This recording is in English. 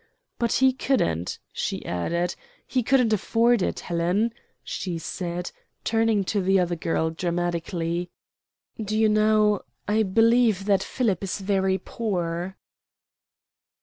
"But he couldn't," she added. "He couldn't afford it. Helen," she said, turning to the other girl, dramatically, "do you know I believe that Philip is very poor."